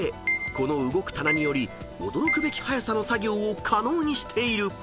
［この動く棚により驚くべきはやさの作業を可能にしている］